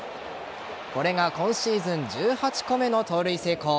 これが今シーズン１８個目の盗塁成功。